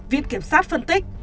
viện kiểm soát phân tích